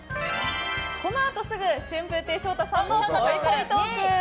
このあとすぐ、春風亭昇太さんのぽいぽいトーク。